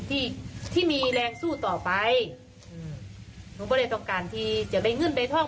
ที่ที่มีแรงสู้ต่อไปอืมหนูก็เลยต้องการที่จะได้เงินไปท่อง